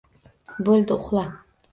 Bo‘ldi, uxla...